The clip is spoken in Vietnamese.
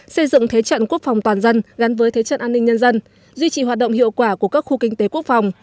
xây dựng thế trận quốc phòng toàn dân gắn với thế trận an ninh nhân dân duy trì hoạt động hiệu quả của các khu kinh tế quốc phòng